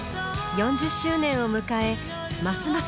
４０周年を迎えますます